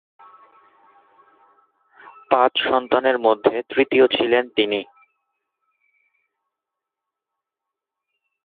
পাঁচ সন্তানের মধ্যে তৃতীয় ছিলেন তিনি।